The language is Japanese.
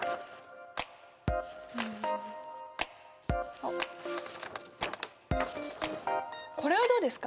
あっこれはどうですか？